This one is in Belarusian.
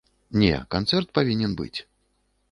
Не, канцэрт павінен быць.